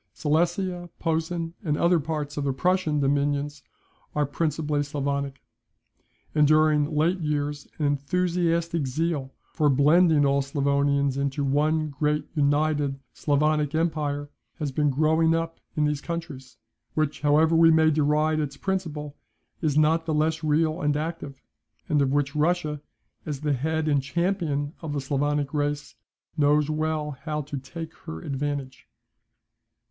Silesia, Posen, and other parts of the Prussian dominions are principally Sclavonic. And during late years an enthusiastic zeal for blending all Sclavonians into one great united Sclavonic empire, has been growing up in these countries, which, however we may deride its principle, is not the less real and active, and of which Russia, as the head and champion of the Sclavonic race, knows well how to take her advantage.